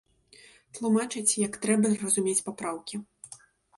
Тлумачыць, як трэба разумець папраўкі.